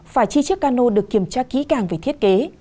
phải chi chiếc cano được kiểm tra kỹ càng về thiết kế